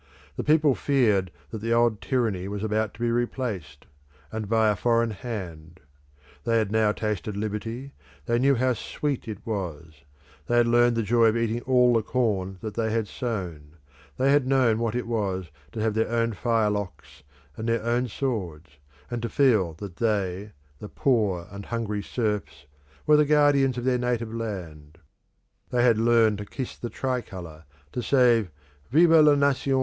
The people feared that the old tyranny was about to be replaced, and by a foreign hand; they had now tasted liberty; they knew how sweet it was; they had learnt the joy of eating all the corn that they had sown; they had known what it was to have their own firelocks and their own swords, and to feel that they, the poor and hungry serfs, were the guardians of their native land. They had learnt to kiss the tricolour; to say Vive la nation!